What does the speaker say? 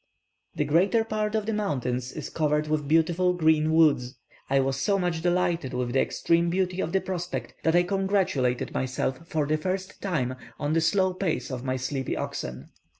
The greater part of the mountains is covered with beautiful green woods. I was so much delighted with the extreme beauty of the prospect, that I congratulated myself for the first time on the slow pace of my sleepy oxen.